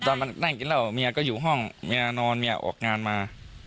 ตอนนั้นแน่นกินแล้วเมียก็อยู่ห้องเมียนอนเมียออกงานมา